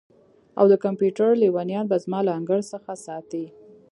او د کمپیوټر لیونیان به زما له انګړ څخه ساتئ